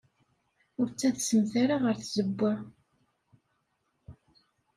Ur ttadsemt ara ɣer tzewwa.